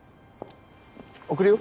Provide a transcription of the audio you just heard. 送るよ。